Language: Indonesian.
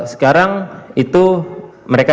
sekarang itu mereka